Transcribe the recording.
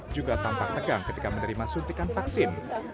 juga tampak tegang ketika menerima suntikan vaksin